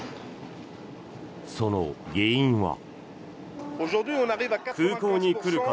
その原因は。